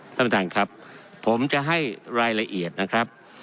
ท่านประธานครับผมจะให้รายละเอียดนะครับ